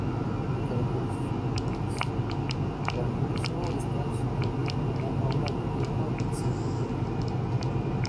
Él caracterizó esta sinfonía como una obra de "hierro y acero".